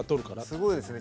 すごいですね。